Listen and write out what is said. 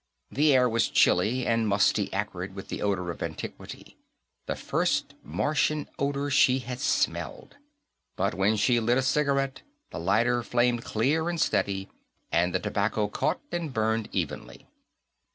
The air was chilly, and musty acrid with the odor of antiquity the first Martian odor she had smelled but when she lit a cigarette, the lighter flamed clear and steady and the tobacco caught and burned evenly.